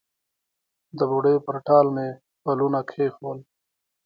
د بوډۍ پر ټال مې پلونه کښېښول